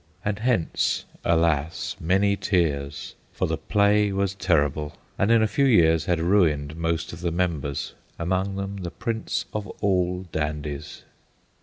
And hence, alas ! many tears, for the play was terrible, and in a few years had ruined most of the members, among them the prince of all dandies.